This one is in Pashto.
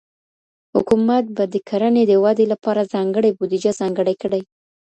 حکومت به د کرني د ودي لپاره ځانګړې بودیجه ځانګړې کړي.